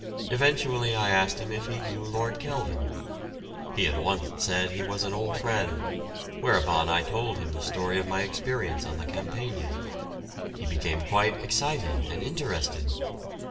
Eventually I asked him if he knew Lord Kelvin. He at once said he was an old friend; whereupon I told him the story of my experience on the "Campania." He became quite excited and interested.